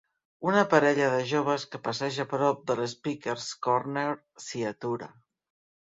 Una parella de joves que passeja prop de l'Speaker's Corner s'hi atura.